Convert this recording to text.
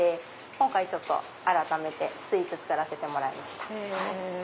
今回改めてスイーツ作らせてもらいました。